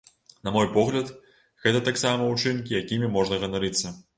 На мой погляд, гэта таксама ўчынкі, якімі можна ганарыцца.